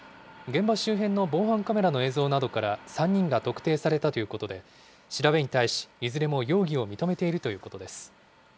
現場周辺の防犯カメラの映像などから３人が特定されたということで、調べに対し、いずれも容疑を認めているということです。